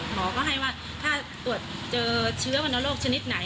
หมอก็ให้ว่าถ้าตรวจเจอเชื้อวรรณโรคชนิดไหน